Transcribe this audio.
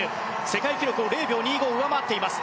世界記録を０秒２５上回っています。